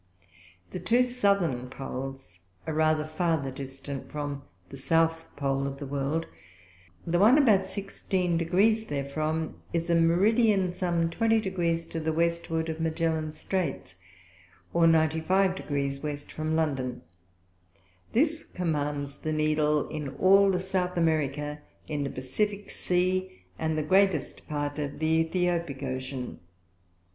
The two Southern Poles are rather farther distant from the South Pole of the World: The one about sixteen Degrees therefrom, is in a Meridian, some twenty Degrees to the Westward of Magellan Straights, or ninety five Degrees West from London: This commands the Needle in all the South America, in the Pacifick Sea, and the greatest part of the Ethiopick Ocean.